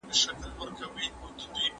زه پرون موبایل کاروم!